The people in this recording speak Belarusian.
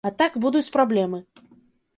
А так будуць праблемы.